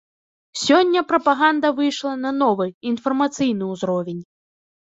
Сёння прапаганда выйшла на новы, інфармацыйны ўзровень.